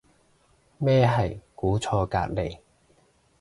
咩係估錯隔離